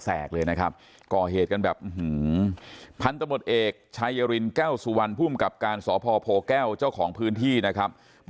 เพราะว่ากลางวันแสกเลยนะครับ